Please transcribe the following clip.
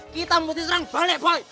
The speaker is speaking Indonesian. kita mesti serang balik balik